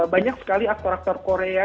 banyak sekali aktor aktor korea